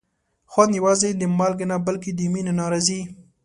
خوند یوازې د مالګې نه، بلکې د مینې نه راځي.